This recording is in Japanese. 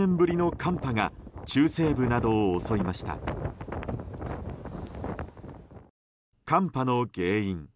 寒波の原因。